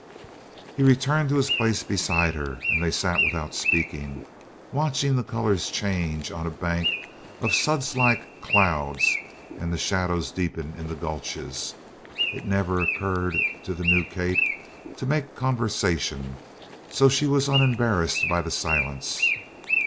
He returned to his place beside her and they sat without speaking, watching the colors change on a bank of sudslike clouds and the shadows deepen in the gulches. It never occurred to the new Kate to make conversation, so she was unembarrassed by the silence.